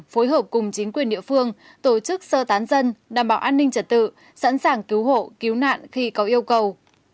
phối hợp cùng chính quyền địa phương tổ chức sơ tán dân đảm bảo an ninh trật tự sẵn sàng cứu hộ cứu nạn khi có yêu cầu